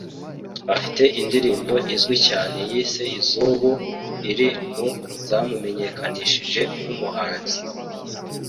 Afite indirimbo izwi cyane yise “Iz’ubu” iri mu zamumenyekanishije nk’umuhazi